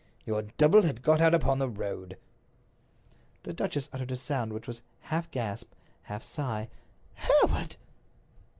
Your double had got out upon the road." The duchess uttered a sound which was half gasp, half sigh. "Hereward!"